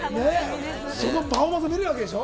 そのパフォーマンスが見られるわけでしょ？